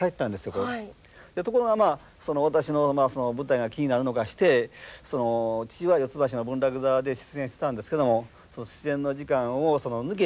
ところが私の舞台が気になるのかして父は四ツ橋の文楽座で出演してたんですけどもその出演の時間を抜けて。